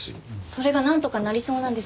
それがなんとかなりそうなんです。